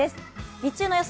日中の予想